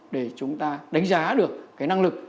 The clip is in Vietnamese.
để chúng ta đánh giá được cái năng lực